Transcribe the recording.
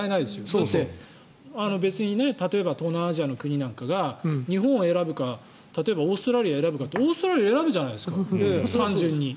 だって別に例えば東南アジアの国なんかが日本を選ぶか例えば、オーストラリアを選ぶかってオーストラリアを選ぶじゃないですか単純に。